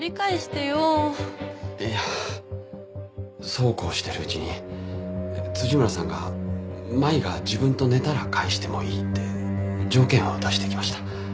そうこうしているうちに村さんが舞が自分と寝たら返してもいいって条件を出してきました。